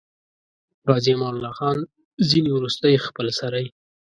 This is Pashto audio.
عازي امان الله خان ځینې وروستۍخپلسرۍ.